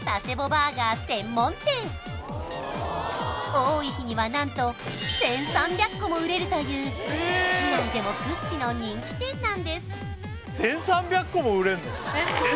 バーガー専門店多い日には何と１３００個も売れるという市内でも屈指の人気店なんです！